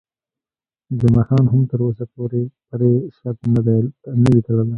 جمعه خان هم تر اوسه پرې شرط نه وي تړلی.